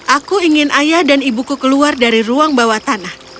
aku ingin ayah dan ibuku keluar dari ruang bawah tanah